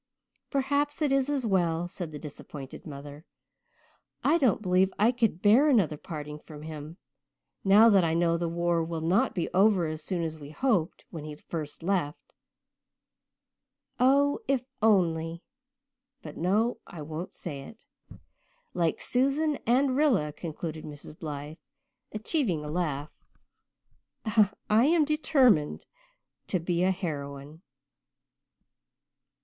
"Perhaps it is as well," said the disappointed mother. "I don't believe I could bear another parting from him now that I know the war will not be over as soon as we hoped when he left first. Oh, if only but no, I won't say it! Like Susan and Rilla," concluded Mrs. Blythe, achieving a laugh, "I am determined to be a heroine."